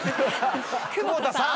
久保田さん！